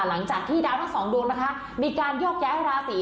หลังจากที่ดาวทั้งสองดวงนะคะมีการโยกย้ายราศี